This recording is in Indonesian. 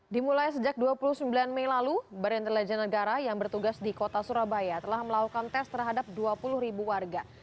dimulai sejak dua puluh sembilan mei lalu badan intelijen negara yang bertugas di kota surabaya telah melakukan tes terhadap dua puluh ribu warga